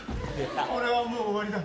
俺はもう終わりだ。